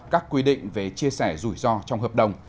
các quy định về chia sẻ rủi ro trong hợp đồng